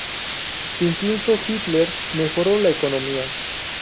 Incluso Hitler mejoró la economía".